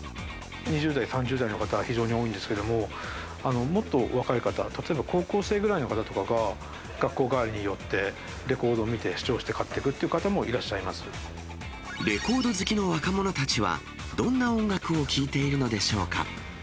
２０代、３０代の方が非常に多いんですけども、もっと若い方、例えば高校生ぐらいの方とかが、学校帰りに寄って、レコード見て、視聴して買ってくという方もいらレコード好きの若者たちは、どんな音楽を聴いているのでしょうか。